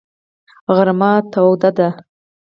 غرمه تود دی.